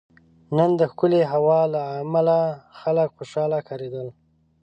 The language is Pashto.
نن دښکلی هوا له عمله خلک خوشحاله ښکاریدل